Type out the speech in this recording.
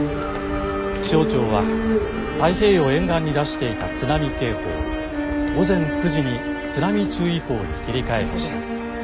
気象庁は太平洋沿岸に出していた津波警報を午前９時に津波注意報に切り替えました。